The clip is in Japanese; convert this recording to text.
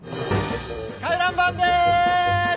回覧板でーす！